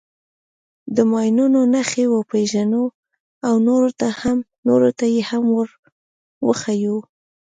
د ماینونو نښې وپېژنو او نورو ته یې هم ور وښیو.